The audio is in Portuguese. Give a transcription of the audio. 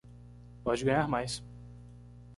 Pode ganhar mais